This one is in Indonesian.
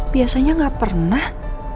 biasanya gak pernah